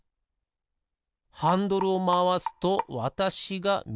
ハンドルをまわすとわたしがみぎへひだりへ。